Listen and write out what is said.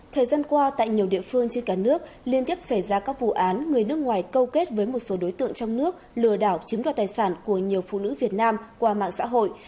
thời gian qua tại nhiều địa phương trên cả nước liên tiếp xảy ra các vụ án người nước ngoài câu kết với một số đối tượng trong nước lừa đảo chiếm đoạt tài sản của nhiều phụ nữ việt nam qua mạng xã hội